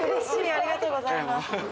ありがとうございます。